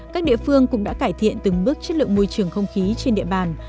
các địa phương cũng đã cải thiện từng bước chất lượng môi trường không khí trên địa bàn